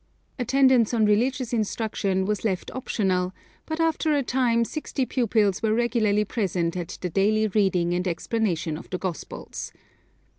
Attendance on religious instruction was left optional, but after a time sixty pupils were regularly present at the daily reading and explanation of the Gospels.